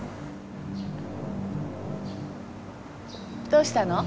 どうしたの？